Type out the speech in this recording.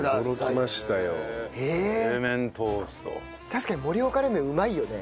確かに盛岡冷麺うまいよね。